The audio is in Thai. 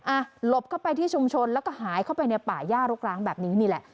หลบเข้าไปที่ชุมชนแล้วก็หายเข้าไปในป่าย่ารกร้างแบบนี้นี่แหละ